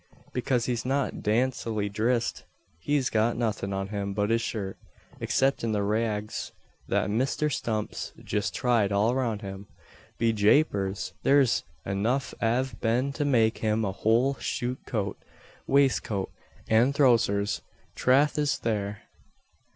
"Bekase he's not dacently drissed. He's got nothin' on him but his shirt exceptin' the rags that Misther Stump's jist tied all roun' him. Be japers! thare's enough av them to make him a whole shoot coat, waiscoat, and throwsers trath is thare."